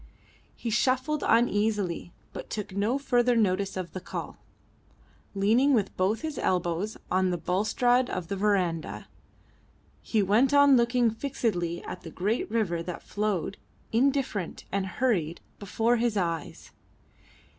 He shuffled uneasily, but took no further notice of the call. Leaning with both his elbows on the balustrade of the verandah, he went on looking fixedly at the great river that flowed indifferent and hurried before his eyes.